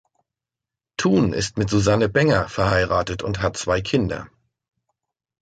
Thun ist mit Susanne Benger verheiratet und hat zwei Kinder.